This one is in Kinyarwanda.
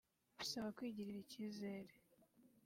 bisaba kwigirira icyizere